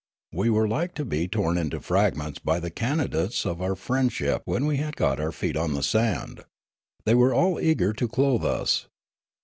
We were like to be torn into fragments by the candidates for our friend ship when we had got our feet on the sand. They were all eager to clothe us.